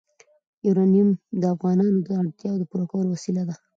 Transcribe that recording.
یورانیم د افغانانو د اړتیاوو د پوره کولو وسیله ده.